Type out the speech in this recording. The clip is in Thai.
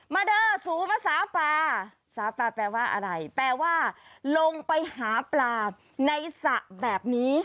เด้อสูมาสาปลาสาปลาแปลว่าอะไรแปลว่าลงไปหาปลาในสระแบบนี้